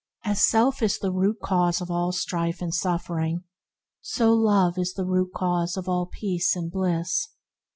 As self is the root cause of all strife and suffering, so Love is the root cause of all peace and bliss.